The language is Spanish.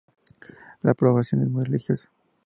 La población es muy religiosa.